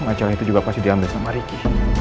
acara itu juga pasti diambil sama ricky